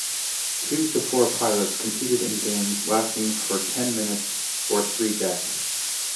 Two to four pilots competed in games lasting for ten minutes or three deaths.